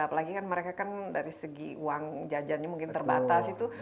apalagi kan mereka kan dari segi uang jajannya mungkin terbatas itu